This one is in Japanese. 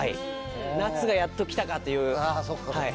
夏がやっと来たかという。